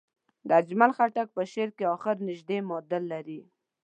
د اجمل خټک په شعر کې اخر نژدې معادل لري.